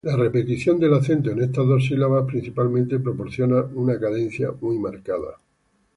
La repetición del acento en esas dos sílabas principalmente proporciona una cadencia muy marcada.